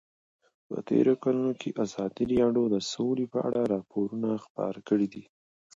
په تېرو کلونو کې ازادي راډیو د سوله په اړه راپورونه خپاره کړي دي.